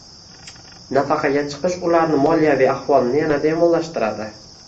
Nafaqaga chiqish ularning moliyaviy ahvolini yanada yomonlashtiradi